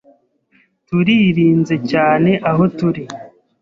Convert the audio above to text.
turirinze cyane aho turi